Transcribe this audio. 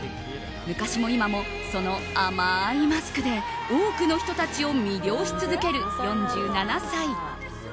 昔も今も、その甘いマスクで多くの人たちを魅了し続ける４７歳。